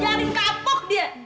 biarin kapok dia